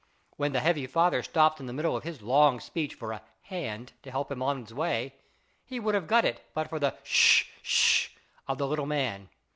When the heavy father stopped in the middle of his long speech for a " hand " to help him on his way, he would have got it but for the " Sh sh " of the little man.